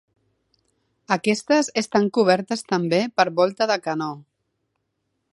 Aquestes estan cobertes també per volta de canó.